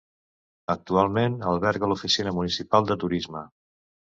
Actualment alberga l'oficina municipal de turisme.